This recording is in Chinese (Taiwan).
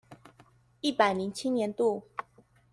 一百零七年度